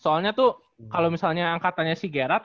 soalnya tuh kalo misalnya angkatannya si gerard